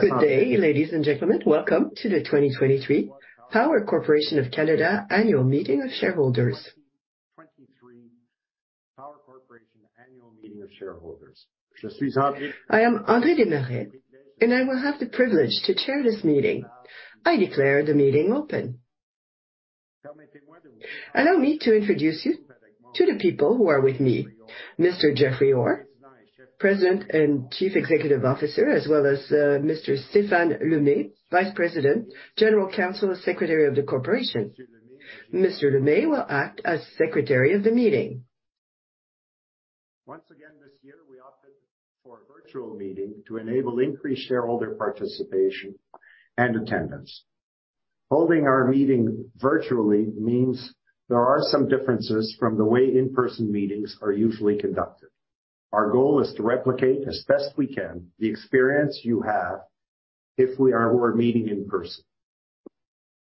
Good day, ladies and gentlemen. Welcome to the 2023 Power Corporation of Canada annual meeting of shareholders. I am André Desmarais, and I will have the privilege to chair this meeting. I declare the meeting open. Allow me to introduce you to the people who are with me. Mr. Jeffrey Orr, President and Chief Executive Officer, as well as Mr. Stéphane Lemay, Vice President, General Counsel, and Secretary of the Corporation. Mr. Lemay will act as Secretary of the meeting. Once again, this year we opted for a virtual meeting to enable increased shareholder participation and attendance. Holding our meeting virtually means there are some differences from the way in-person meetings are usually conducted. Our goal is to replicate as best we can the experience you have if we are meeting in person.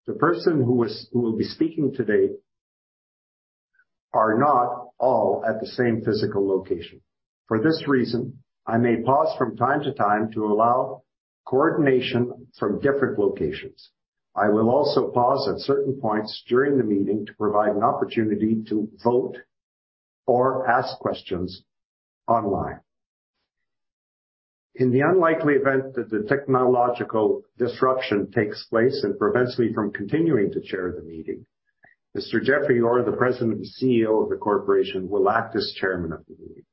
The person who will be speaking today are not all at the same physical location. For this reason, I may pause from time to time to allow coordination from different locations. I will also pause at certain points during the meeting to provide an opportunity to vote or ask questions online. In the unlikely event that the technological disruption takes place and prevents me from continuing to chair the meeting, Mr. Jeffrey Orr, the President and CEO of the Corporation, will act as Chairman of the meeting.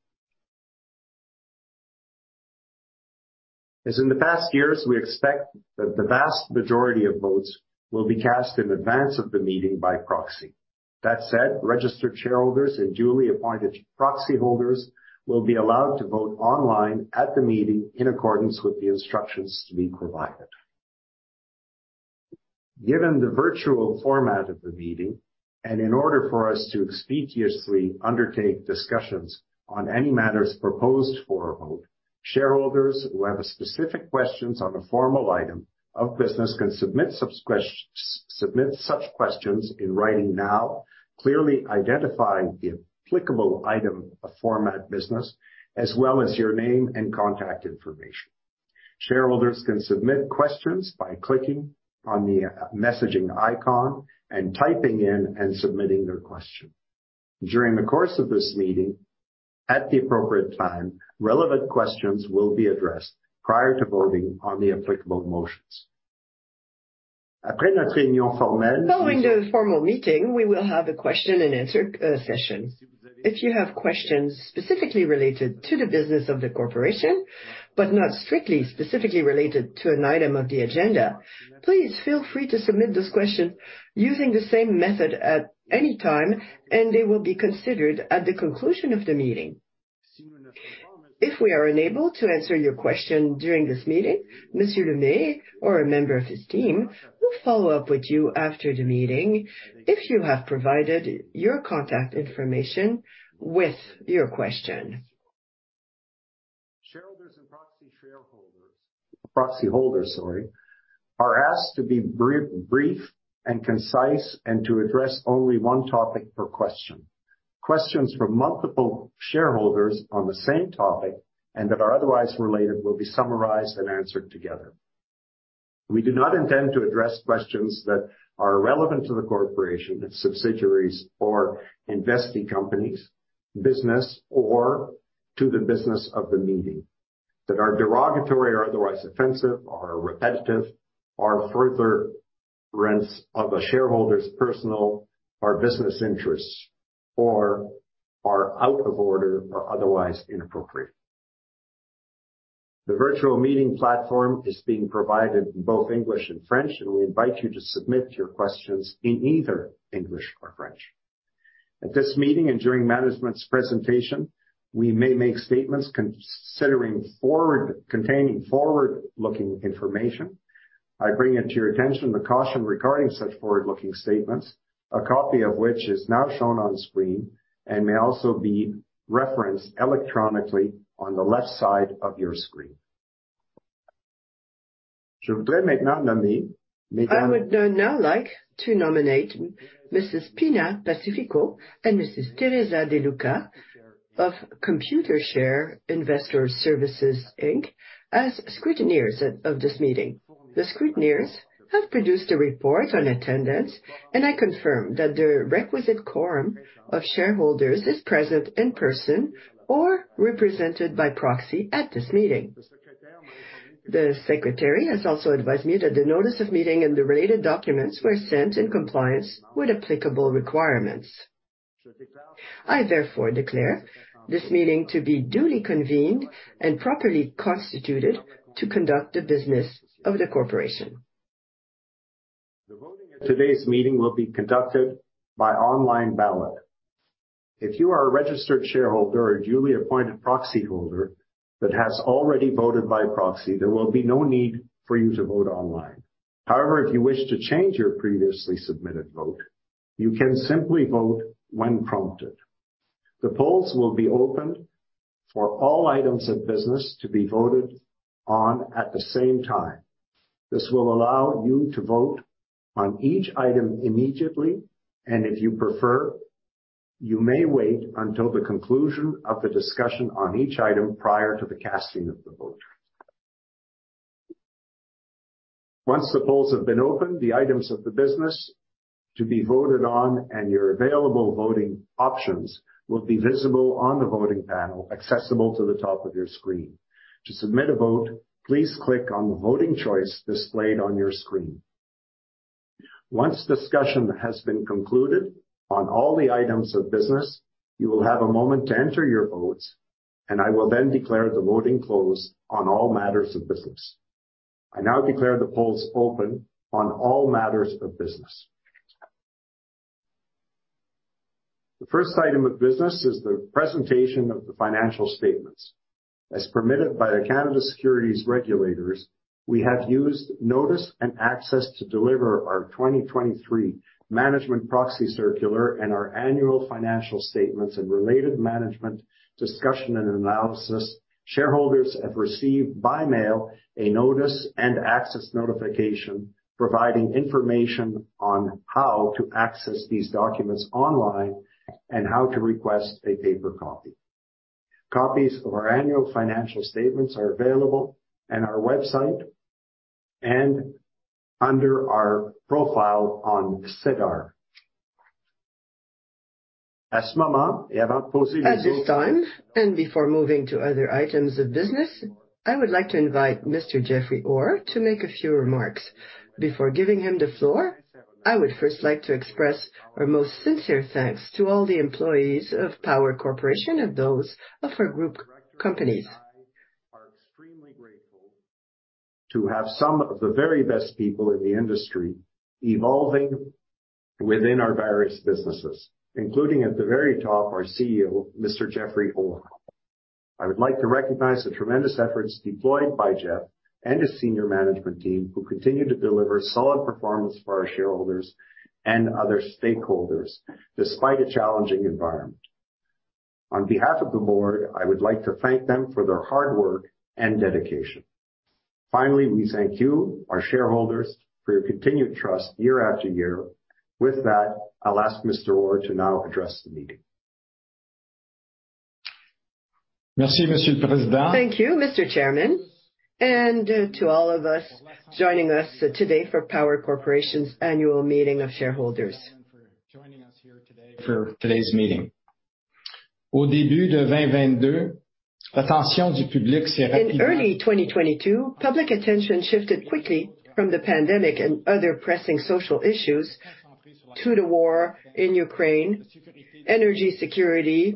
As in the past years, we expect that the vast majority of votes will be cast in advance of the meeting by proxy. That said, registered shareholders and duly appointed proxy holders will be allowed to vote online at the meeting in accordance with the instructions to be provided. Given the virtual format of the meeting, and in order for us to expeditiously undertake discussions on any matters proposed for a vote, shareholders who have specific questions on a formal item of business can submit such questions in writing now, clearly identifying the applicable item of format business as well as your name and contact information. Shareholders can submit questions by clicking on the messaging icon and typing in and submitting their question. During the course of this meeting, at the appropriate time, relevant questions will be addressed prior to voting on the applicable motions. Following the formal meeting, we will have a question and answer session. If you have questions specifically related to the business of the Corporation, but not strictly specifically related to an item of the agenda, please feel free to submit this question using the same method at any time. They will be considered at the conclusion of the meeting. If we are unable to answer your question during this meeting, Mr. Lemay or a member of his team will follow up with you after the meeting if you have provided your contact information with your question. Shareholders and proxy holders, sorry, are asked to be brief and concise and to address only one topic per question. Questions from multiple shareholders on the same topic and that are otherwise related will be summarized and answered together. We do not intend to address questions that are irrelevant to the corporation, its subsidiaries or investing companies' business or to the business of the meeting that are derogatory or otherwise offensive or repetitive or furtherance of a shareholder's personal or business interests, or are out of order or otherwise inappropriate. The virtual meeting platform is being provided in both English and French, and we invite you to submit your questions in either English or French. At this meeting and during management's presentation, we may make statements containing forward-looking information. I bring it to your attention the caution regarding such forward-looking statements, a copy of which is now shown on screen and may also be referenced electronically on the left side of your screen. I would now like to nominate Mrs. Pina Pacifico and Mrs. Theresa De Luca of Computershare Investor Services Inc. as scrutineers of this meeting. The scrutineers have produced a report on attendance, and I confirm that the requisite quorum of shareholders is present in person or represented by proxy at this meeting. The secretary has also advised me that the notice of meeting and the related documents were sent in compliance with applicable requirements. I therefore declare this meeting to be duly convened and properly constituted to conduct the business of the corporation. The voting at today's meeting will be conducted by online ballot. If you are a registered shareholder or a duly appointed proxy holder that has already voted by proxy, there will be no need for you to vote online. However, if you wish to change your previously submitted vote, you can simply vote when prompted. The polls will be opened for all items of business to be voted on at the same time. This will allow you to vote on each item immediately, and if you prefer, you may wait until the conclusion of the discussion on each item prior to the casting of the vote. Once the polls have been opened, the items of the business to be voted on and your available voting options will be visible on the voting panel accessible to the top of your screen. To submit a vote, please click on the voting choice displayed on your screen. Once discussion has been concluded on all the items of business, you will have a moment to enter your votes, I will then declare the voting closed on all matters of business. I now declare the polls open on all matters of business. The first item of business is the presentation of the financial statements. As permitted by the Canada Securities regulators, we have used notice and access to deliver our 2023 management proxy circular and our annual financial statements and related management discussion and analysis. Shareholders have received by mail a notice and access notification providing information on how to access these documents online and how to request a paper copy. Copies of our annual financial statements are available in our website and under our profile on SEDAR+. At this time, and before moving to other items of business, I would like to invite Mr. Jeffrey Orr to make a few remarks. Before giving him the floor, I would first like to express our most sincere thanks to all the employees of Power Corporation and those of our group companies. Are extremely grateful to have some of the very best people in the industry evolving within our various businesses, including at the very top, our CEO, Mr. Jeffrey Orr. I would like to recognize the tremendous efforts deployed by Jeff and his senior management team who continue to deliver solid performance for our shareholders and other stakeholders, despite a challenging environment. On behalf of the board, I would like to thank them for their hard work and dedication. Finally, we thank you, our shareholders, for your continued trust year after year. With that, I'll ask Mr. Orr to now address the meeting. Thank you, Mr. Chairman. To all of us joining us today for Power Corporation's Annual Meeting of Shareholders. For joining us here today for today's meeting. In early 2022, public attention shifted quickly from the pandemic and other pressing social issues to the war in Ukraine, energy security,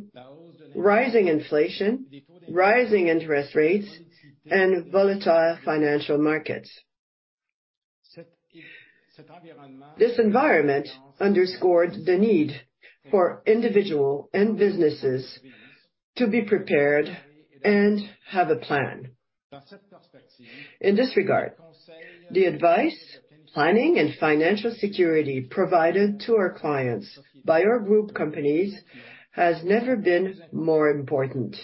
rising inflation, rising interest rates, and volatile financial markets. This environment underscored the need for individual and businesses to be prepared and have a plan. In this regard, the advice, planning, and financial security provided to our clients by our group companies has never been more important.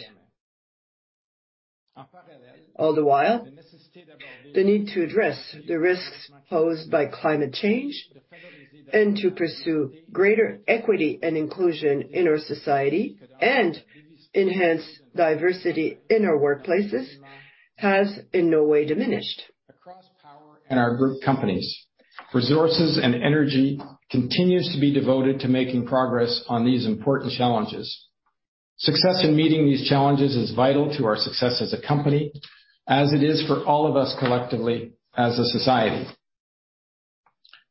All the while, the need to address the risks posed by climate change and to pursue greater equity and inclusion in our society and enhance diversity in our workplaces has in no way diminished. Across Power and our group companies, resources and energy continues to be devoted to making progress on these important challenges. Success in meeting these challenges is vital to our success as a company, as it is for all of us collectively as a society.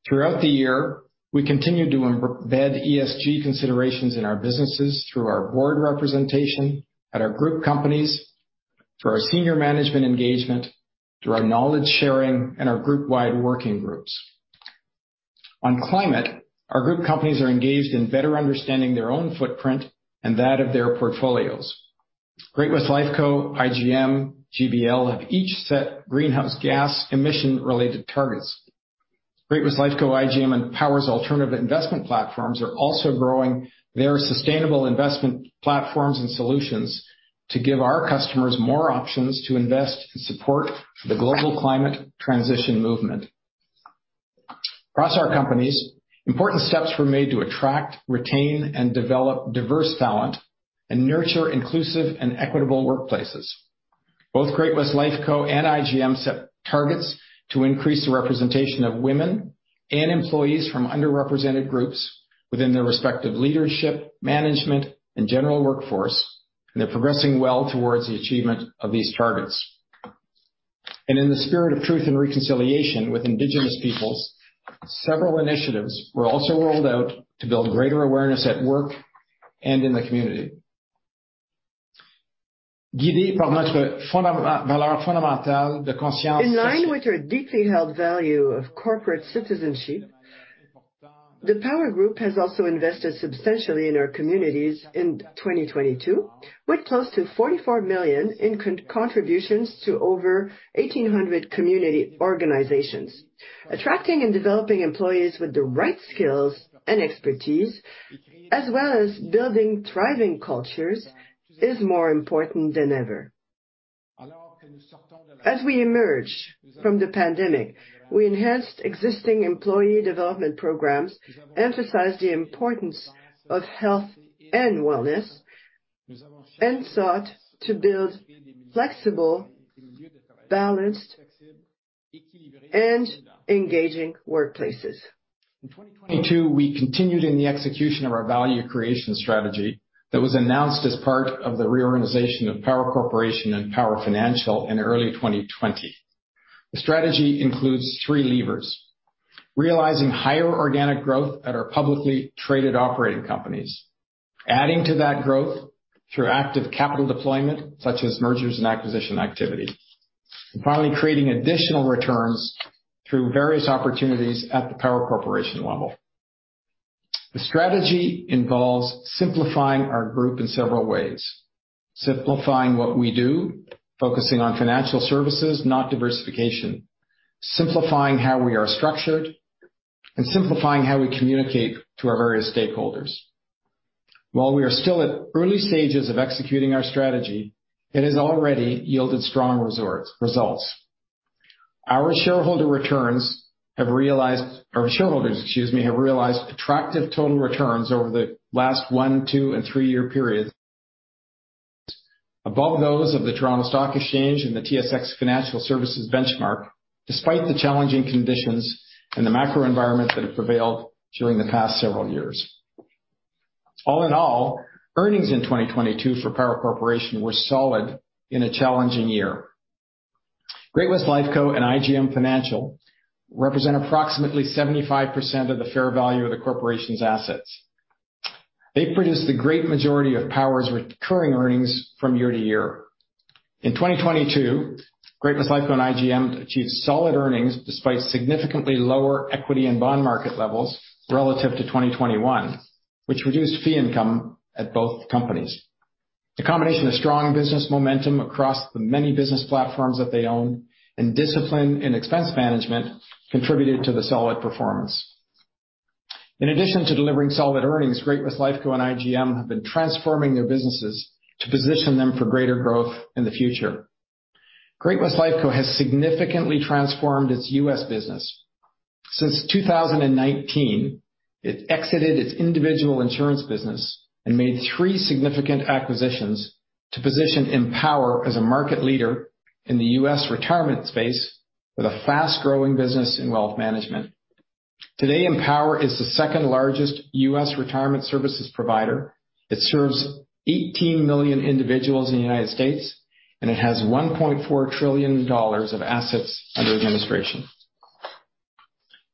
Throughout the year, we continued to embed ESG considerations in our businesses through our board representation at our group companies, through our senior management engagement, through our knowledge sharing and our group-wide working groups. On climate, our group companies are engaged in better understanding their own footprint and that of their portfolios. Great-West Lifeco, IGM, GBL have each set greenhouse gas emission-related targets. Great-West Lifeco, IGM, and Power's alternative investment platforms are also growing their sustainable investment platforms and solutions to give our customers more options to invest and support the global climate transition movement. Across our companies, important steps were made to attract, retain, and develop diverse talent and nurture inclusive and equitable workplaces. Both Great-West Lifeco and IGM set targets to increase the representation of women and employees from underrepresented groups within their respective leadership, management, and general workforce. They're progressing well towards the achievement of these targets. In the spirit of truth and Reconciliation with Indigenous peoples, several initiatives were also rolled out to build greater awareness at work and in the community. In line with our deeply held value of corporate citizenship, the Power Group has also invested substantially in our communities in 2022, with close to 44 million in contributions to over 1,800 community organizations. Attracting and developing employees with the right skills and expertise, as well as building thriving cultures, is more important than ever. As we emerge from the pandemic, we enhanced existing employee development programs, emphasized the importance of health and wellness, and sought to build flexible, balanced, and engaging workplaces. In 2022, we continued in the execution of our value creation strategy that was announced as part of the reorganization of Power Corporation and Power Financial in early 2020. The strategy includes three levers, realizing higher organic growth at our publicly traded operating companies, adding to that growth through active capital deployment such as mergers and acquisition activity. Finally, creating additional returns through various opportunities at the Power Corporation level. The strategy involves simplifying our group in several ways. Simplifying what we do, focusing on financial services, not diversification. Simplifying how we are structured, and simplifying how we communicate to our various stakeholders. While we are still at early stages of executing our strategy, it has already yielded strong results. Our shareholder returns have realized... Our shareholders, excuse me, have realized attractive total returns over the last one, two and three-year periods above those of the Toronto Stock Exchange and the TSX Financial Services benchmark, despite the challenging conditions and the macro environment that have prevailed during the past several years. All in all, earnings in 2022 for Power Corporation were solid in a challenging year. Great-West Lifeco and IGM Financial represent approximately 75% of the fair value of the corporation's assets. They produce the great majority of Power's recurring earnings from year to year. In 2022, Great-West Lifeco and IGM achieved solid earnings despite significantly lower equity and bond market levels relative to 2021, which reduced fee income at both companies. The combination of strong business momentum across the many business platforms that they own and discipline in expense management contributed to the solid performance. In addition to delivering solid earnings, Great-West Lifeco and IGM have been transforming their businesses to position them for greater growth in the future. Great-West Lifeco has significantly transformed its U.S. business. Since 2019, it exited its individual insurance business and made three significant acquisitions to position Empower as a market leader in the U.S. retirement space with a fast-growing business in wealth management. Today, Empower is the second-largest U.S. retirement services provider. It serves 18 million individuals in the United States, and it has $1.4 trillion of assets under administration.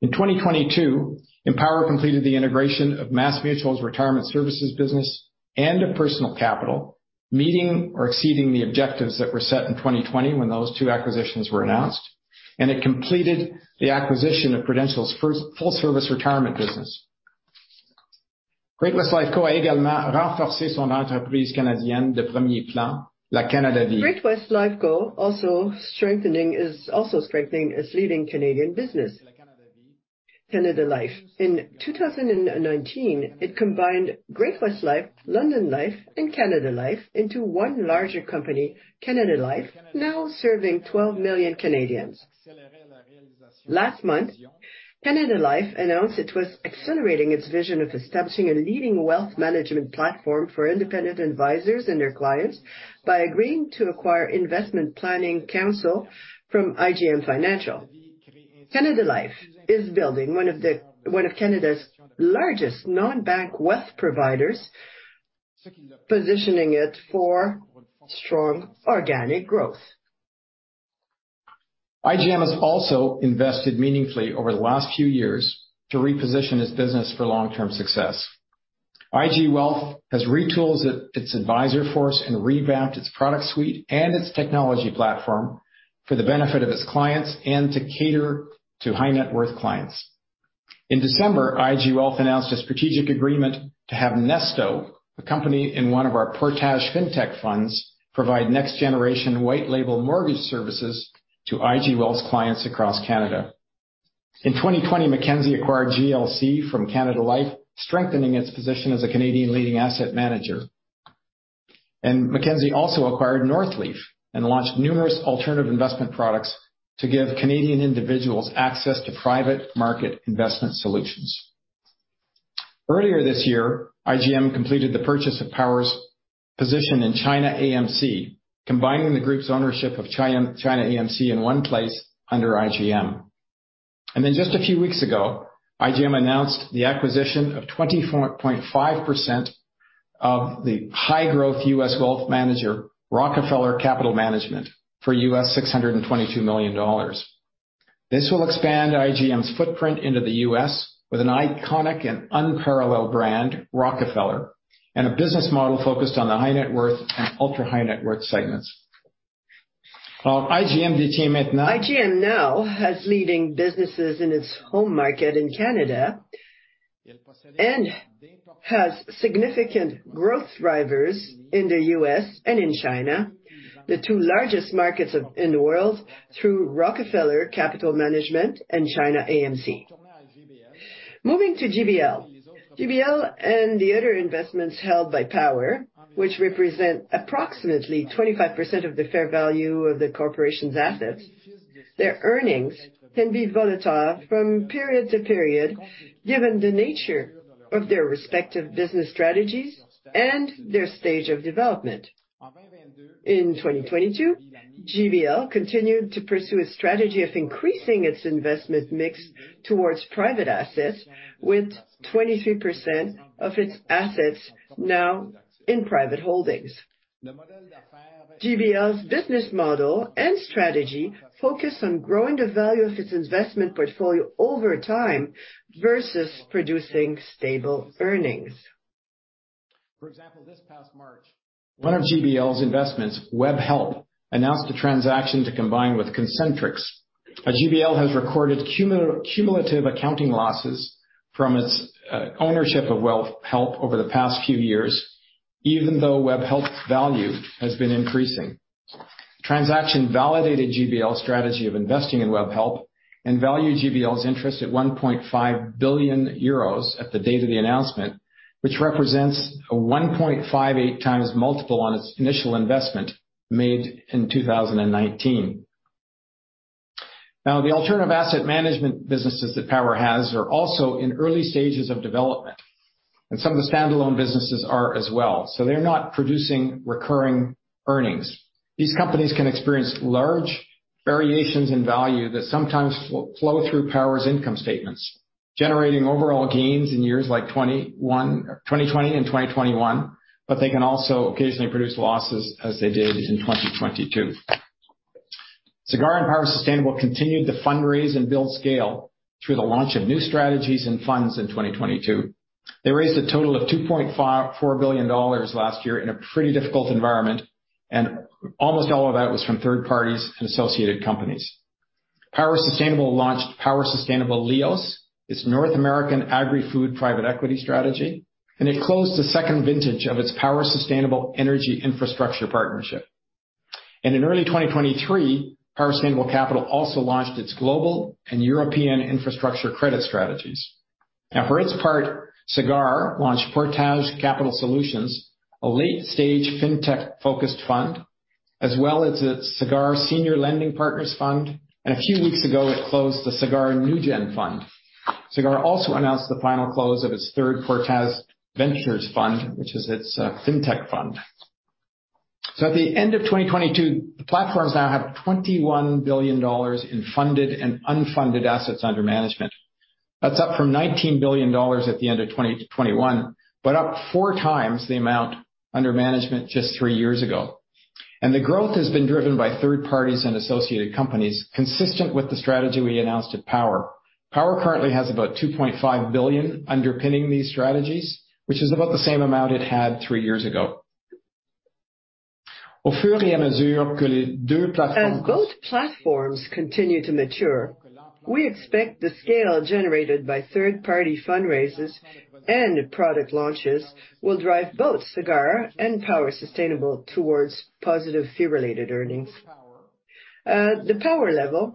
In 2022, Empower completed the integration of MassMutual's retirement services business and Personal Capital meeting or exceeding the objectives that were set in 2020 when those two acquisitions were announced, and it completed the acquisition of Prudential's first full service retirement business. Great-West Lifeco also strengthening its leading Canadian business, Canada Life. In 2019, it combined Great-West Life, London Life, and Canada Life into one larger company, Canada Life, now serving 12 million Canadians. Last month, Canada Life announced it was accelerating its vision of establishing a leading wealth management platform for independent advisors and their clients by agreeing to acquire Investment Planning Counsel from IGM Financial. Canada Life is building one of Canada's largest non-bank wealth providers, positioning it for strong organic growth. IGM has also invested meaningfully over the last few years to reposition its business for long-term success. IG Wealth has retooled its advisor force and revamped its product suite and its technology platform for the benefit of its clients and to cater to high net worth clients. In December, IG Wealth announced a strategic agreement to have nesto, a company in one of our Portage Fintech funds, provide next generation white label mortgage services to IG Wealth's clients across Canada. In 2020, Mackenzie acquired GLC from Canada Life, strengthening its position as a Canadian leading asset manager. Mackenzie also acquired Northleaf and launched numerous alternative investment products to give Canadian individuals access to private market investment solutions. Earlier this year, IGM completed the purchase of Power's position in China AMC, combining the group's ownership of China AMC in one place under IGM. Just a few weeks ago, IGM announced the acquisition of 24.5% of the high-growth U.S. growth manager, Rockefeller Capital Management, for $622 million. This will expand IGM's footprint into the U.S. with an iconic and unparalleled brand, Rockefeller, and a business model focused on the high net worth and ultra-high net worth segments. IGM now has leading businesses in its home market in Canada and has significant growth drivers in the U.S. and in China, the two largest markets of, in the world, through Rockefeller Capital Management and China AMC. Moving to GBL. GBL and the other investments held by Power, which represent approximately 25% of the fair value of the corporation's assets, their earnings can be volatile from period to period given the nature of their respective business strategies and their stage of development. In 2022, GBL continued to pursue a strategy of increasing its investment mix towards private assets with 23% of its assets now in private holdings. GBL's business model and strategy focus on growing the value of its investment portfolio over time versus producing stable earnings. For example, this past March, one of GBL's investments, Webhelp, announced a transaction to combine with Concentrix. GBL has recorded cumulative accounting losses from its ownership of Webhelp over the past few years, even though Webhelp's value has been increasing. Transaction validated GBL's strategy of investing in Webhelp and valued GBL's interest at 1.5 billion euros at the date of the announcement, which represents a 1.58x multiple on its initial investment made in 2019. The alternative asset management businesses that Power has are also in early stages of development, and some of the standalone businesses are as well. They're not producing recurring earnings. These companies can experience large variations in value that sometimes flow through Power's income statements, generating overall gains in years like 2020 and 2021, they can also occasionally produce losses as they did in 2022. Sagard and Power Sustainable continued to fundraise and build scale through the launch of new strategies and funds in 2022. They raised a total of 2.54 billion dollars last year in a pretty difficult environment, almost all of that was from third parties and associated companies. Power Sustainable launched Power Sustainable Lios, its North American agri-food private equity strategy, it closed the second vintage of its Power Sustainable Energy Infrastructure Partnership. In early 2023, Power Sustainable Capital also launched its global and European infrastructure credit strategies. For its part, Sagard launched Portage Capital Solutions, a late-stage fintech-focused fund, as well as its Sagard Senior Lending Partners Fund. A few weeks ago, it closed the Sagard NewGen fund. Sagard also announced the final close of its third Portage Ventures Fund, which is its fintech fund. At the end of 2022, the platforms now have 21 billion dollars in funded and unfunded assets under management. That's up from 19 billion dollars at the end of 2021, but up four times the amount under management just three years ago. The growth has been driven by third parties and associated companies, consistent with the strategy we announced at Power. Power currently has about 2.5 billion underpinning these strategies, which is about the same amount it had three years ago. As both platforms continue to mature, we expect the scale generated by third-party fundraisers and product launches will drive both Sagard and Power Sustainable towards positive fee-related earnings. The Power level,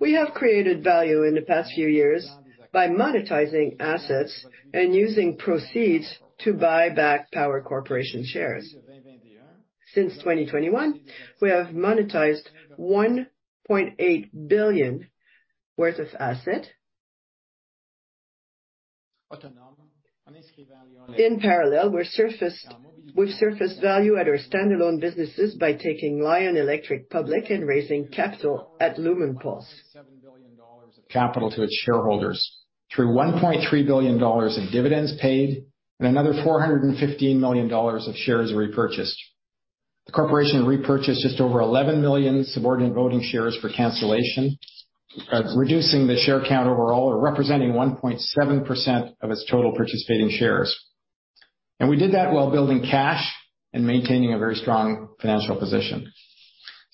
we have created value in the past few years by monetizing assets and using proceeds to buy back Power Corporation shares. Since 2021, we have monetized $1.8 billion worth of asset. In parallel, we've surfaced value at our standalone businesses by taking Lion Electric public and raising capital at Lumenpulse. CAD 7 billion of capital to its shareholders through 1.3 billion dollars in dividends paid and another 415 million dollars of shares repurchased. The corporation repurchased just over 11 million subordinate voting shares for cancellation, reducing the share count overall or representing 1.7% of its total participating shares. We did that while building cash and maintaining a very strong financial position.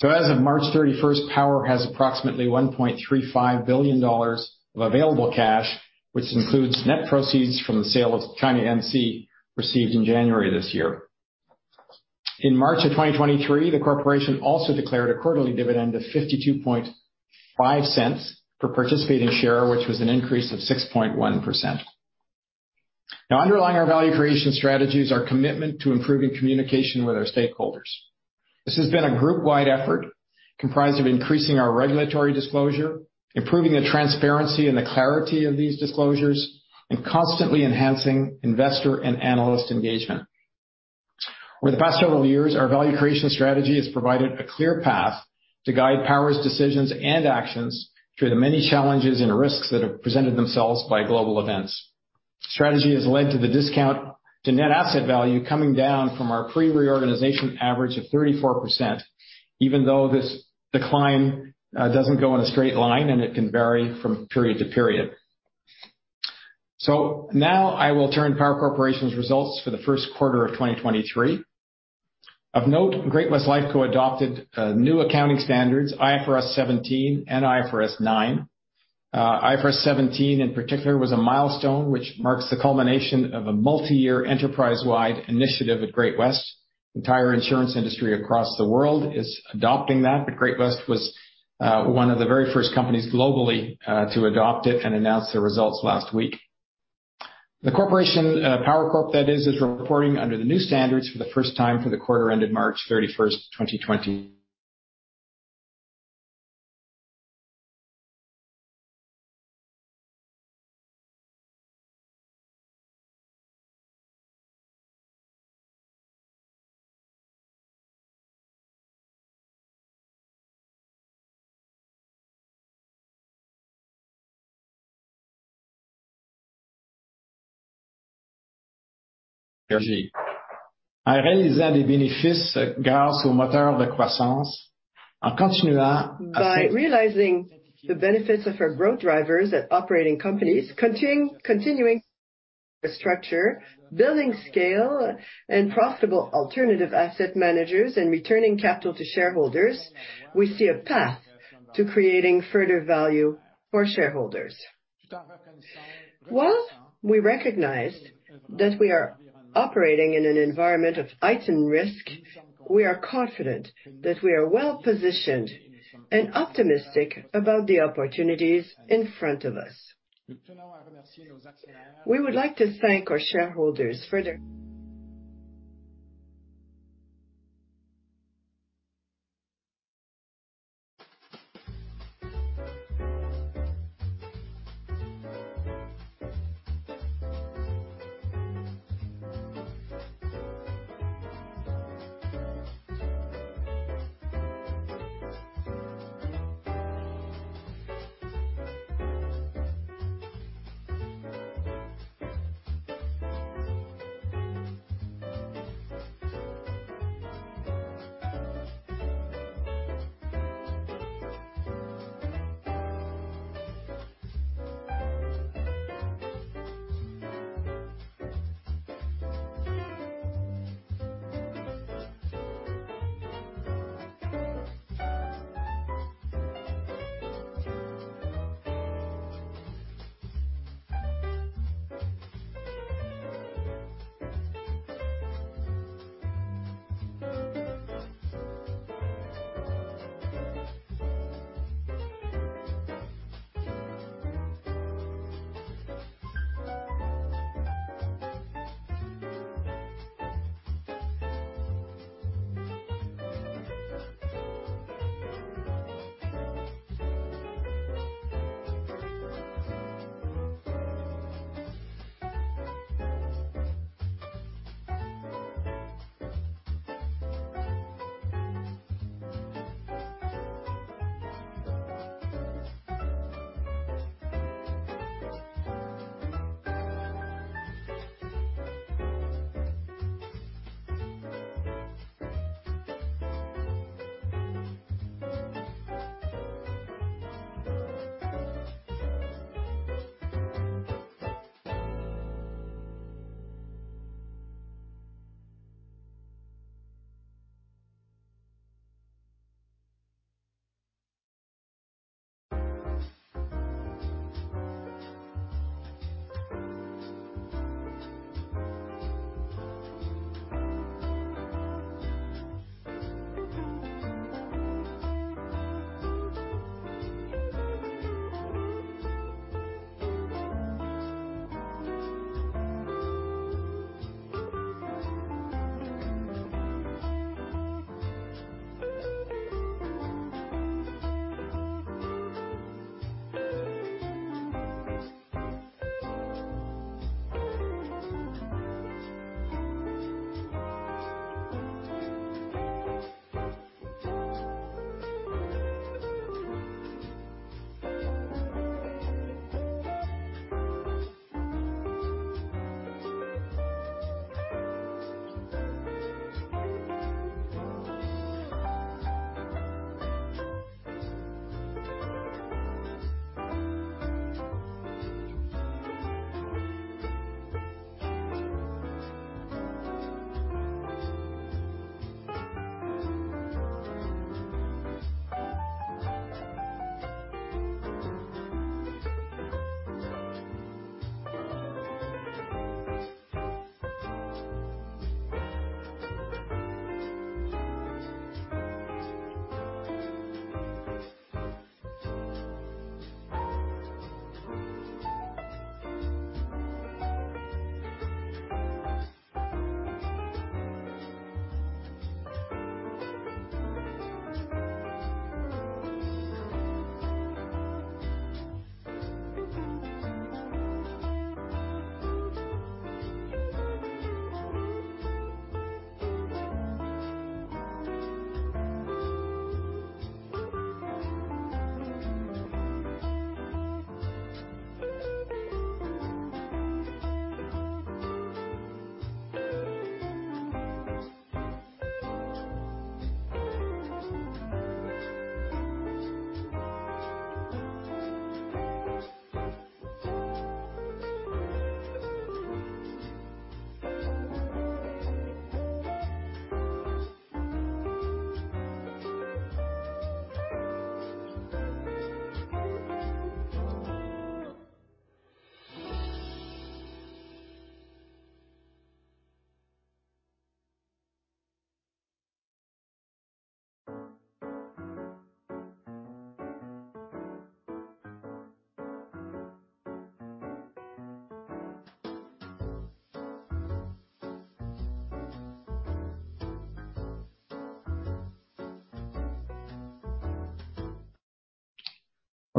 As of March 31st, Power has approximately 1.35 billion dollars of available cash, which includes net proceeds from the sale of China MC received in January this year. In March of 2023, the corporation also declared a quarterly dividend of CAD 0.525 per participating share, which was an increase of 6.1%. Underlying our value creation strategy is our commitment to improving communication with our stakeholders. This has been a group-wide effort comprised of increasing our regulatory disclosure, improving the transparency and the clarity of these disclosures, and constantly enhancing investor and analyst engagement. Over the past several years, our value creation strategy has provided a clear path to guide Power's decisions and actions through the many challenges and risks that have presented themselves by global events. Strategy has led to the discount to net asset value coming down from our pre-reorganization average of 34%, even though this decline doesn't go in a straight line, and it can vary from period to period. Now I will turn Power Corporation's results for the first quarter of 2023. Of note, Great-West Lifeco adopted new accounting standards, IFRS 17 and IFRS 9. IFRS 17, in particular, was a milestone which marks the culmination of a multi-year enterprise-wide initiative at Great-West. Entire insurance industry across the world is adopting that, but Great-West was one of the very first companies globally to adopt it and announce their results last week. The corporation, Power Corp, that is reporting under the new standards for the first time for the quarter ended March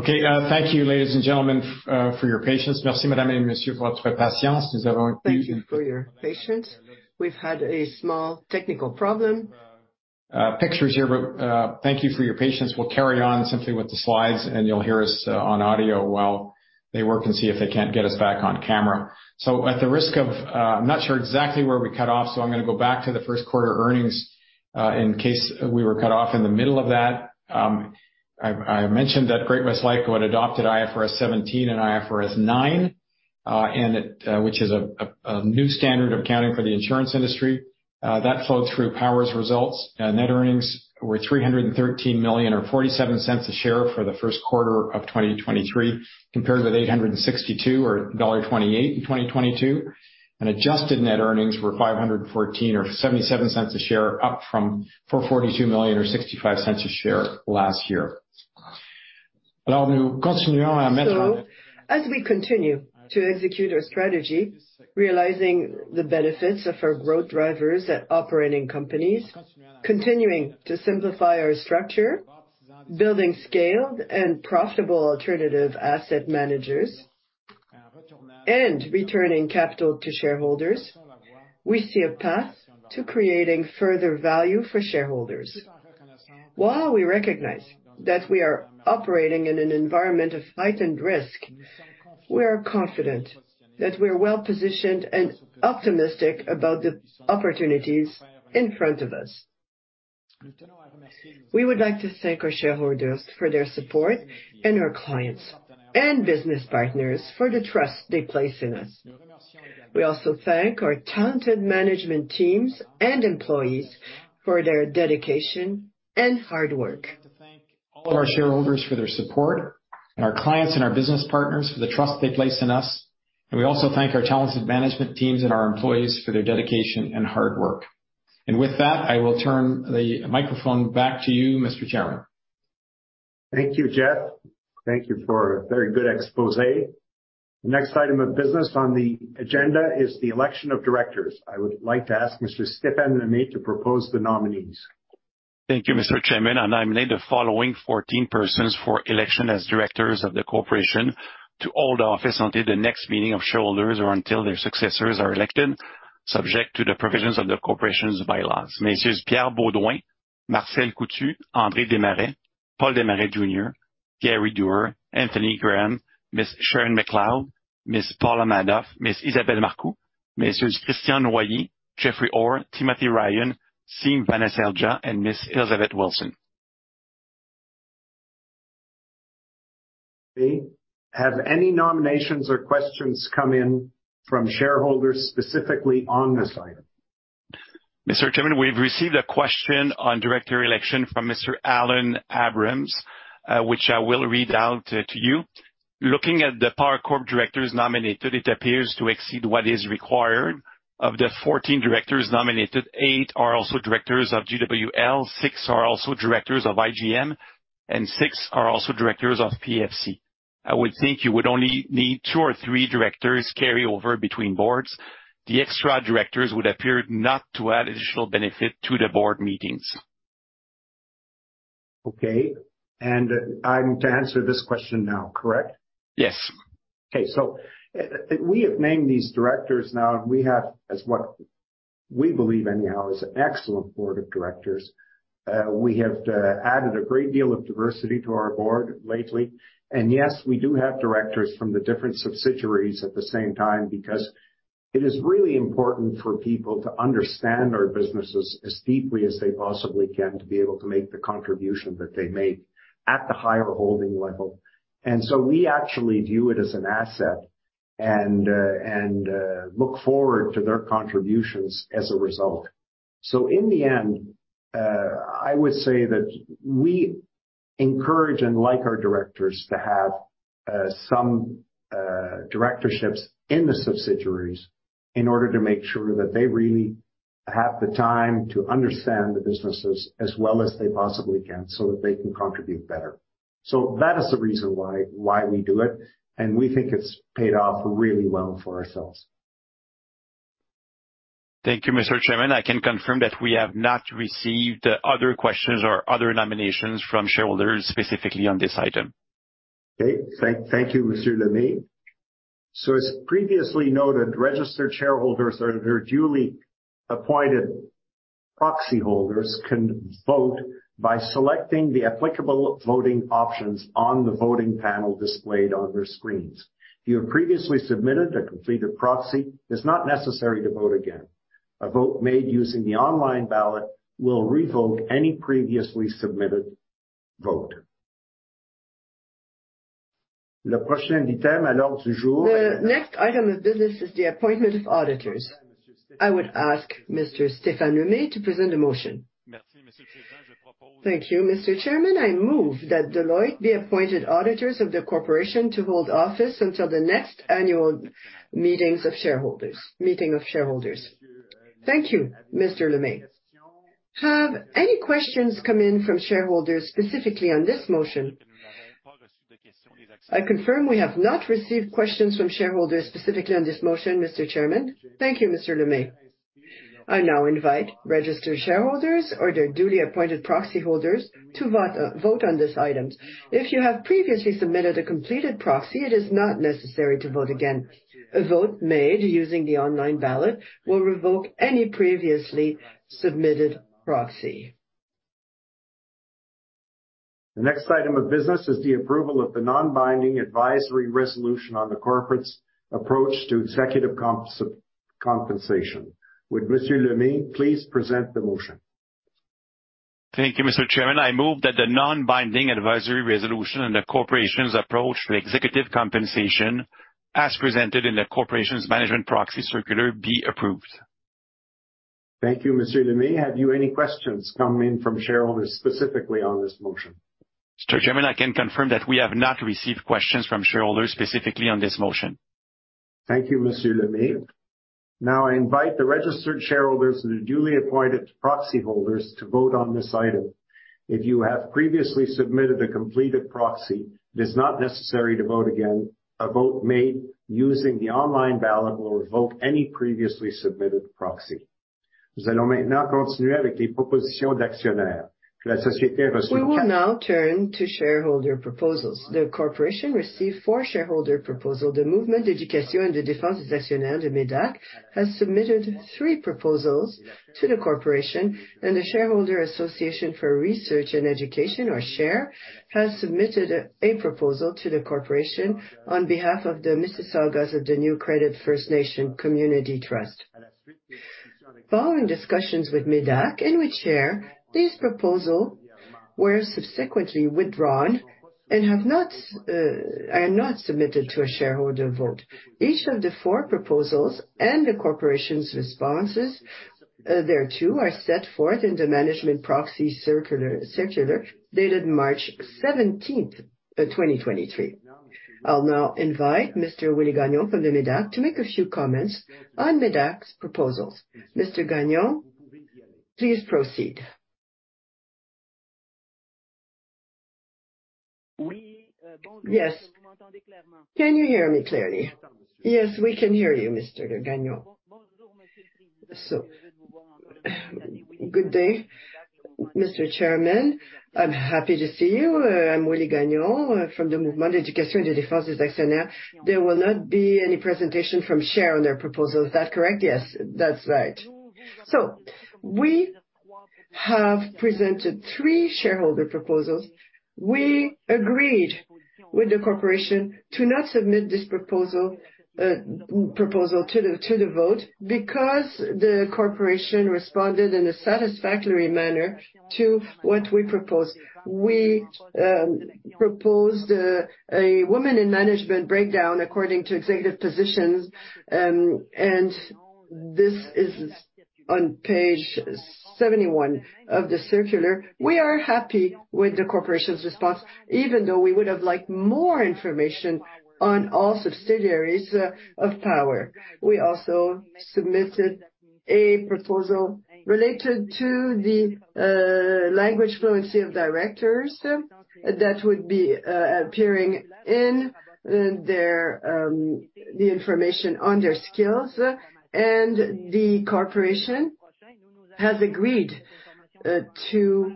2020. Thank you ladies and gentlemen for your patience. Thank you for your patience. We've had a small technical problem. Pictures here, thank you for your patience. We'll carry on simply with the slides, you'll hear us on audio while they work and see if they can't get us back on camera. At the risk of, I'm not sure exactly where we cut off, so I'm gonna go back to the first quarter earnings in case we were cut off in the middle of that. I mentioned that Great-West Life had adopted IFRS 17 and IFRS 9, which is a new standard accounting for the insurance industry. That flowed through Power's results. Net earnings were 313 million or 0.47 a share for the first quarter of 2023, compared with 862 or dollar 1.28 in 2022. Adjusted net earnings were 514 million or 0.77 a share, up from 442 million or 0.65 a share last year. As we continue to execute our strategy, realizing the benefits of our growth drivers at operating companies, continuing to simplify our structure, building scaled and profitable alternative asset managers, and returning capital to shareholders, we see a path to creating further value for shareholders. While we recognize that we are operating in an environment of heightened risk, we are confident that we are well-positioned and optimistic about the opportunities in front of us. We would like to thank our shareholders for their support and our clients and business partners for the trust they place in us. We also thank our talented management teams and employees for their dedication and hard work. We want to thank all our shareholders for their support and our clients and our business partners for the trust they place in us. We also thank our talented management teams and our employees for their dedication and hard work. With that, I will turn the microphone back to you, Mr. Chairman. Thank you, Jeff. Thank you for a very good exposé. The next item of business on the agenda is the election of directors. I would like to ask Mr. Stéphane Lemay to propose the nominees. Thank you, Mr. Chairman. I nominate the following 14 persons for election as directors of the corporation to hold office until the next meeting of shareholders or until their successors are elected, subject to the provisions of the corporation's bylaws. Messieurs Pierre Beaudoin, Marcel Coutu, André Desmarais, Paul Desmarais, Jr., Gary Doer, Anthony Graham, Ms. Sharon MacLeod, Ms. Paula Madoff, Ms. Isabelle Marcoux, Messieurs Christian Noyer, Jeffrey Orr, Timothy Ryan, Siim Vanaselja, and Ms. Elizabeth Wilson. Have any nominations or questions come in from shareholders specifically on this item? Mr. Chairman, we've received a question on director election from Mr. Alan Abrams, which I will read out to you. Looking at the Power Corp directors nominated, it appears to exceed what is required. Of the 14 directors nominated, eight are also directors of GWL, six are also directors of IGM, and six are also directors of PFC. I would think you would only need two or three directors carry over between boards. The extra directors would appear not to add additional benefit to the board meetings. Okay. I'm to answer this question now, correct? Yes. We have named these directors now. We have as what we believe anyhow is an excellent board of directors. We have added a great deal of diversity to our board lately. Yes, we do have directors from the different subsidiaries at the same time, because it is really important for people to understand our businesses as deeply as they possibly can to be able to make the contribution that they make at the higher holding level. We actually view it as an asset and look forward to their contributions as a result. In the end, I would say that we encourage and like our directors to have some directorships in the subsidiaries in order to make sure that they really have the time to understand the businesses as well as they possibly can so that they can contribute better. That is the reason why we do it, and we think it's paid off really well for ourselves. Thank you, Mr. Chairman. I can confirm that we have not received other questions or other nominations from shareholders specifically on this item. Okay. Thank you, Mr. Lemay. As previously noted, registered shareholders or their duly appointed proxy holders can vote by selecting the applicable voting options on the voting panel displayed on their screens. If you have previously submitted a completed proxy, it's not necessary to vote again. A vote made using the online ballot will revoke any previously submitted vote. The next item of business is the appointment of auditors. I would ask Mr. Stéphane Lemay to present a motion. Thank you, Mr. Chairman. I move that Deloitte be appointed auditors of the corporation to hold office until the next annual meetings of shareholders, meeting of shareholders. Thank you, Mr. Lemay. Have any questions come in from shareholders specifically on this motion? I confirm we have not received questions from shareholders specifically on this motion, Mr. Chairman. Thank you, Mr. Lemay. I now invite registered shareholders or their duly appointed proxy holders to vote on these items. If you have previously submitted a completed proxy, it is not necessary to vote again. A vote made using the online ballot will revoke any previously submitted proxy. The next item of business is the approval of the non-binding advisory resolution on the corporate's approach to executive compensation. Would Monsieur Stéphane Lemay please present the motion? Thank you, Mr. Chairman. I move that the non-binding advisory resolution on the corporation's approach to executive compensation, as presented in the corporation's management proxy circular, be approved. Thank you, Monsieur Lemay. Have you any questions come in from shareholders specifically on this motion? Mr. Chairman, I can confirm that we have not received questions from shareholders specifically on this motion. Thank you, Mr Lemay. Now I invite the registered shareholders and their duly appointed proxy holders to vote on this item. If you have previously submitted a completed proxy, it is not necessary to vote again. A vote made using the online ballot will revoke any previously submitted proxy. We will now turn to shareholder proposals. The corporation received four shareholder proposals. The Mouvement d'éducation et de défense des actionnaires, MÉDAC, has submitted three proposals to the corporation, and the Shareholder Association for Research and Education, or SHARE, has submitted a proposal to the corporation on behalf of the Mississaugas of the Credit First Nation Community Trust. Following discussions with MÉDAC and with SHARE, these proposals were subsequently withdrawn and are not submitted to a shareholder vote. Each of the four proposals and the corporation's responses thereto, are set forth in the management proxy circular dated March 17, 2023. I'll now invite Mr. Willie Gagnon from MÉDAC to make a few comments on MÉDAC's proposals. Mr. Gagnon, please proceed. Yes. Can you hear me clearly? Yes, we can hear you, Mr. Gagnon. Good day, Mr. Chairman, I'm happy to see you. I'm Willie Gagnon from the Mouvement d'éducation et de défense des actionnaires. There will not be any presentation from SHARE on their proposal. Is that correct? Yes, that's right. We have presented three shareholder proposals. We agreed with the corporation to not submit this proposal to the vote because the corporation responded in a satisfactory manner to what we proposed. We proposed a woman in management breakdown according to executive positions. This is on page 71 of the circular. We are happy with the corporation's response, even though we would have liked more information on all subsidiaries of Power. We also submitted a proposal related to the language fluency of directors that would be appearing in the information on their skills, the corporation has agreed to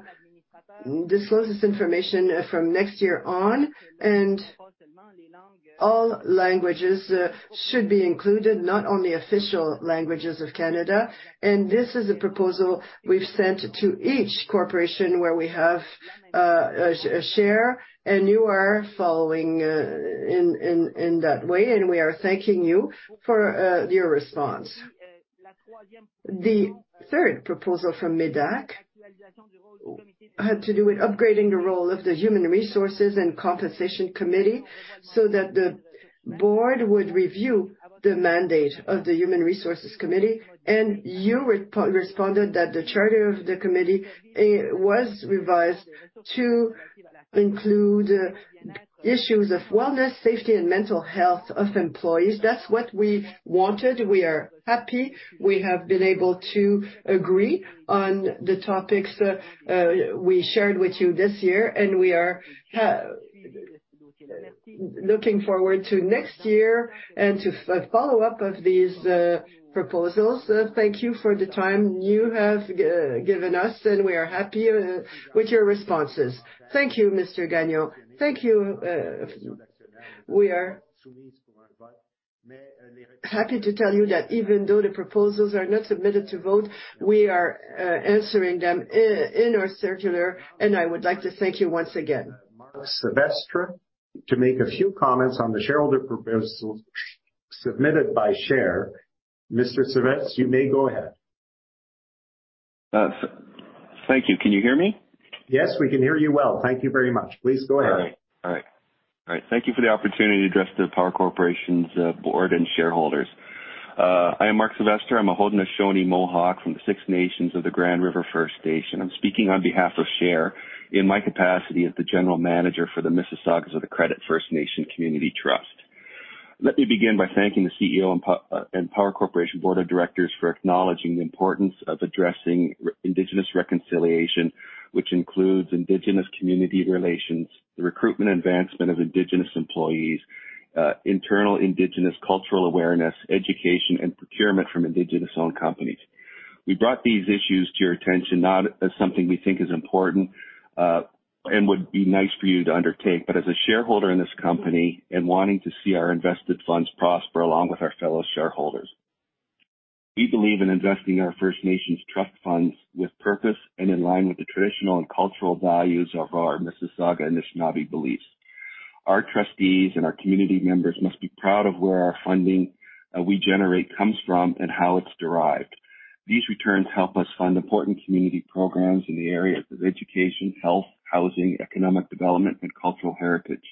disclose this information from next year on. All languages should be included, not only official languages of Canada. This is a proposal we've sent to each corporation where we have a share, you are following in that way, we are thanking you for your response. The third proposal from MÉDAC had to do with upgrading the role of the Human Resources and Compensation Committee so that the board would review the mandate of the Human Resources Committee. You responded that the charter of the committee was revised to include issues of wellness, safety, and mental health of employees. That's what we wanted. We are happy we have been able to agree on the topics we shared with you this year, and we are looking forward to next year and to follow up of these proposals. Thank you for the time you have given us, and we are happy with your responses. Thank you, Mr. Gagnon. Thank you. We are happy to tell you that even though the proposals are not submitted to vote, we are answering them in our circular, and I would like to thank you once again. Mark Sylvestre to make a few comments on the shareholder proposals submitted by SHARE. Mr. Sylvestre, you may go ahead. Thank you. Can you hear me? Yes, we can hear you well. Thank you very much. Please go ahead. All right. All right. All right. Thank you for the opportunity to address the Power Corporation's board and shareholders. I am Mark Sylvestre. I'm a Haudenosaunee Mohawk from the Six Nations of the Grand River First Nation. I'm speaking on behalf of SHARE in my capacity as the general manager for the Mississaugas of the Credit First Nation Community Trust. Let me begin by thanking the CEO and Power Corporation Board of Directors for acknowledging the importance of addressing Indigenous reconciliation, which includes Indigenous community relations, the recruitment advancement of Indigenous employees, internal Indigenous cultural awareness, education, and procurement from Indigenous-owned companies. We brought these issues to your attention not as something we think is important, and would be nice for you to undertake, but as a shareholder in this company and wanting to see our invested funds prosper along with our fellow shareholders. We believe in investing our First Nations Trust Funds with purpose and in line with the traditional and cultural values of our Mississauga and Anishinaabe beliefs. Our trustees and our community members must be proud of where our funding we generate comes from and how it's derived. These returns help us fund important community programs in the areas of education, health, housing, economic development, and cultural heritage.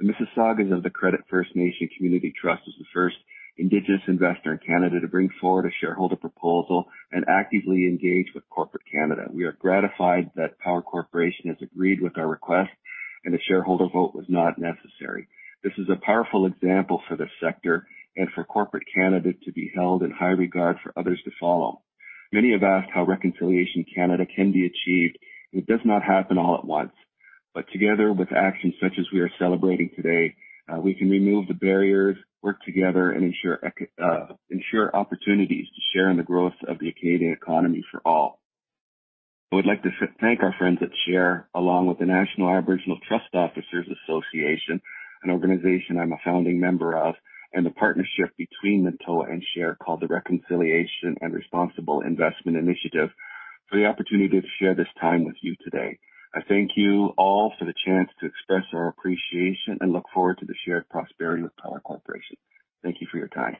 The Mississaugas of the Credit First Nation Community Trust is the first indigenous investor in Canada to bring forward a shareholder proposal and actively engage with corporate Canada. We are gratified that Power Corporation has agreed with our request, the shareholder vote was not necessary. This is a powerful example for this sector and for corporate Canada to be held in high regard for others to follow. Many have asked how Reconciliation Canada can be achieved, it does not happen all at once. Together with actions such as we are celebrating today, we can remove the barriers, work together, and ensure opportunities to share in the growth of the Canadian economy for all. I would like to thank our friends at SHARE, along with the National Aboriginal Trust Officers Association, an organization I'm a founding member of, the partnership between NATOA and SHARE, called the Reconciliation and Responsible Investment Initiative, for the opportunity to share this time with you today. I thank you all for the chance to express our appreciation and look forward to the shared prosperity with Power Corporation. Thank you for your time.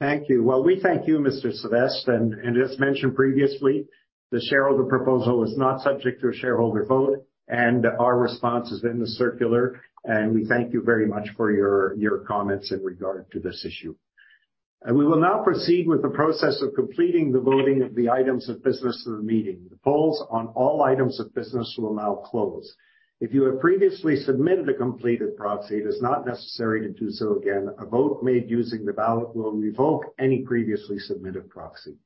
Thank you. Well, we thank you, Mr. Sylvestre. As mentioned previously, the shareholder proposal is not subject to a shareholder vote, and our response is in the circular, and we thank you very much for your comments in regard to this issue. We will now proceed with the process of completing the voting of the items of business of the meeting. The polls on all items of business will now close. If you have previously submitted a completed proxy, it is not necessary to do so again. A vote made using the ballot will revoke any previously submitted proxy.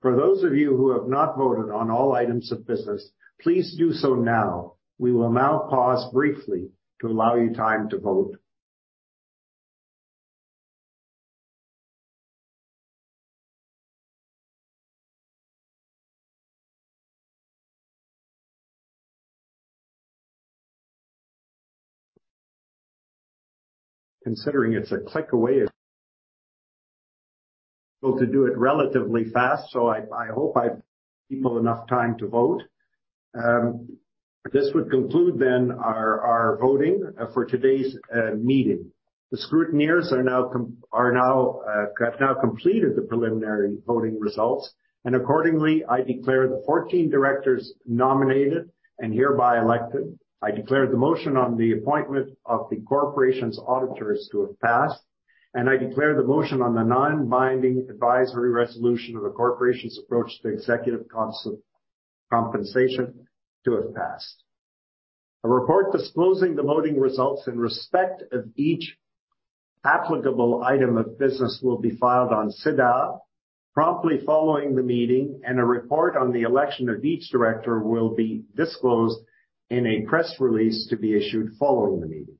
For those of you who have not voted on all items of business, please do so now. We will now pause briefly to allow you time to vote. Considering it's a click away, to do it relatively fast, I hope I've people enough time to vote. This would conclude then our voting for today's meeting. The scrutineers have now completed the preliminary voting results, accordingly, I declare the 14 directors nominated and hereby elected. I declare the motion on the appointment of the corporation's auditors to have passed, I declare the motion on the non-binding advisory resolution of the corporation's approach to executive compensation to have passed. A report disclosing the voting results in respect of each applicable item of business will be filed on SEDAR promptly following the meeting, a report on the election of each director will be disclosed in a press release to be issued following the meeting.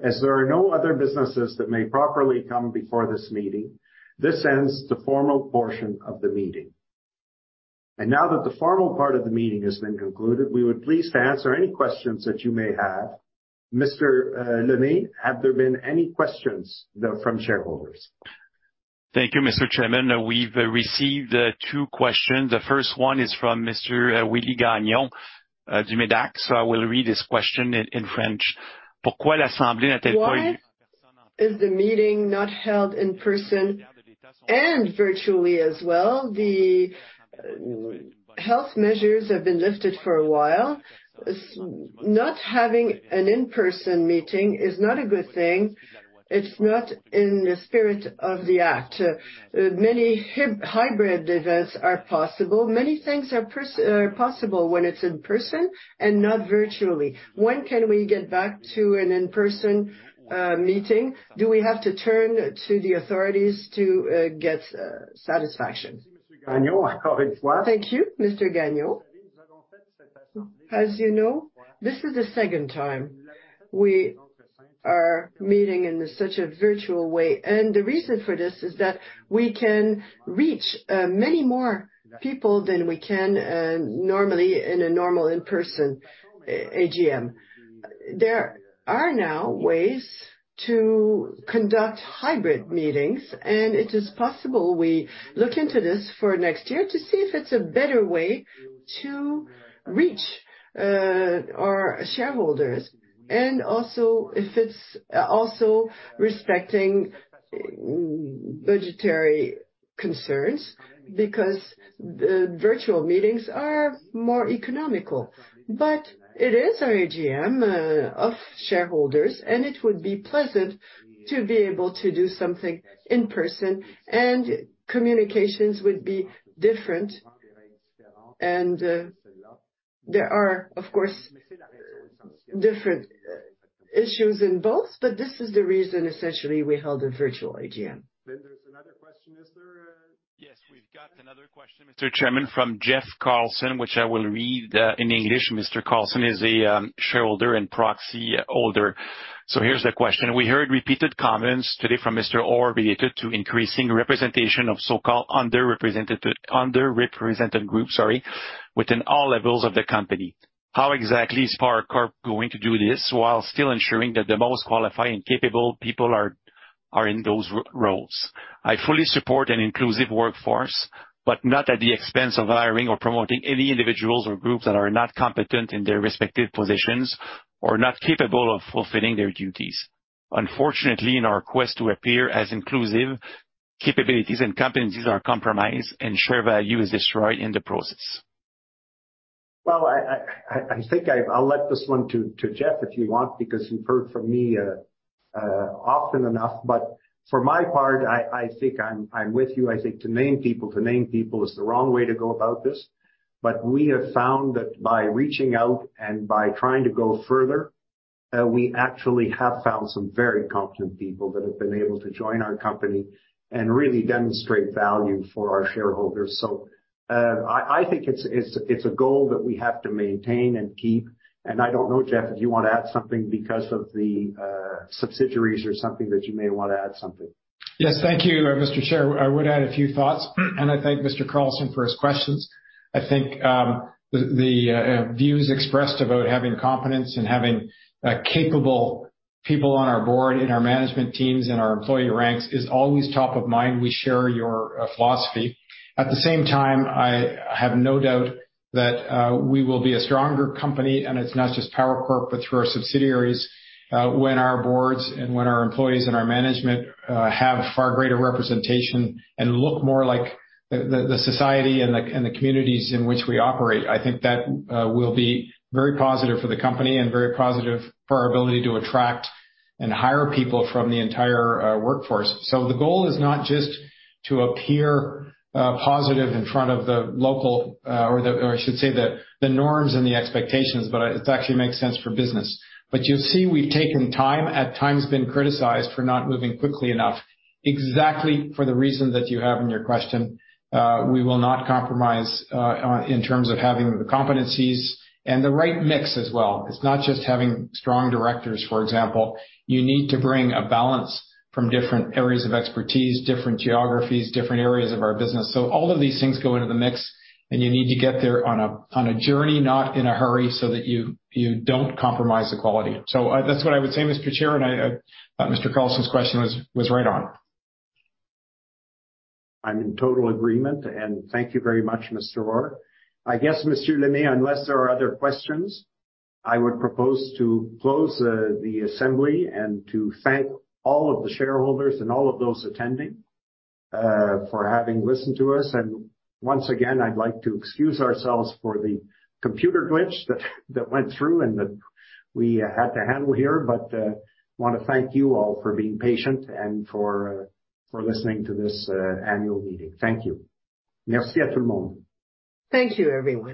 As there are no other businesses that may properly come before this meeting, this ends the formal portion of the meeting. Now that the formal part of the meeting has been concluded, we would please to answer any questions that you may have. Mr. Lemay, have there been any questions from shareholders? Thank you, Mr. Chairman. We've received, two questions. The first one is from Mr., Willie Gagnon, du MÉDAC. I will read this question in French. Why is the meeting not held in person and virtually as well? The health measures have been lifted for a while. Not having an in-person meeting is not a good thing. It's not in the spirit of the act. Many hybrid events are possible. Many things are possible when it's in person and not virtually. When can we get back to an in-person meeting? Do we have to turn to the authorities to get satisfaction? Gagnon, I call it once. Thank you, Mr. Gagnon. As you know, this is the second time we are meeting in such a virtual way. The reason for this is that we can reach many more people than we can normally in a normal in-person AGM. There are now ways to conduct hybrid meetings. It is possible we look into this for next year to see if it's a better way to reach our shareholders and also if it's also respecting budgetary concerns because the virtual meetings are more economical. It is our AGM of shareholders. It would be pleasant to be able to do something in person, and communications would be different. There are, of course, different issues in both. This is the reason essentially we held a virtual AGM. there's another question. Is there, Yes, we've got another question, Mr. Chairman, from Jeff Carlson, which I will read in English. Mr. Carlson is a shareholder and proxy holder. Here's the question. We heard repeated comments today from Mr. Orr related to increasing representation of so-called underrepresented group, sorry, within all levels of the company. How exactly is PowerCorp going to do this while still ensuring that the most qualified and capable people are in those roles? I fully support an inclusive workforce, but not at the expense of hiring or promoting any individuals or groups that are not competent in their respective positions or not capable of fulfilling their duties. Unfortunately, in our quest to appear as inclusive, capabilities and competencies are compromised, and share value is destroyed in the process. I think I'll let this one to Jeff if you want, because you've heard from me often enough. For my part, I think I'm with you. I think to name people is the wrong way to go about this. We have found that by reaching out and by trying to go further, we actually have found some very competent people that have been able to join our company and really demonstrate value for our shareholders. I think it's a goal that we have to maintain and keep. I don't know, Jeff, if you want to add something because of the subsidiaries or something that you may wanna add something. Yes. Thank you, Mr. Chair. I would add a few thoughts, and I thank Mr. Carlson for his questions. I think the views expressed about having competence and having capable people on our board, in our management teams, in our employee ranks is always top of mind. We share your philosophy. At the same time, I have no doubt that we will be a stronger company, and it's not just PowerCorp, but through our subsidiaries, when our boards and when our employees and our management have far greater representation and look more like the society and the communities in which we operate. I think that will be very positive for the company and very positive for our ability to attract and hire people from the entire workforce. The goal is not just to appear positive in front of the local, or I should say the norms and the expectations, but it actually makes sense for business. You'll see we've taken time, at times been criticized for not moving quickly enough. Exactly for the reason that you have in your question, we will not compromise in terms of having the competencies and the right mix as well. It's not just having strong directors, for example. You need to bring a balance from different areas of expertise, different geographies, different areas of our business. All of these things go into the mix, and you need to get there on a journey, not in a hurry, so that you don't compromise the quality. That's what I would say, Mr. Chair, and I, Mr. Carlson's question was right on. I'm in total agreement, Thank you very much, Mr. Orr. I guess, Mr. Lemay, unless there are other questions, I would propose to close the assembly and to thank all of the shareholders and all of those attending for having listened to us. Once again, I'd like to excuse ourselves for the computer glitch that went through and that we had to handle here. wanna thank you all for being patient and for listening to this annual meeting. Thank you. Thank you, everyone.